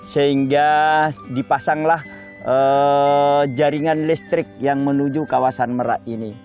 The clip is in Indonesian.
sehingga dipasanglah jaringan listrik yang menuju kawasan merak ini